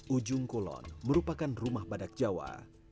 ujung kulon merupakan rumah badak jawa